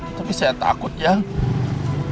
istri saya itu memang selingkuh atau enggak